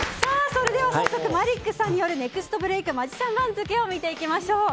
それでは早速マリックさんによるネクストブレイクマジシャン番付を見ていきましょう。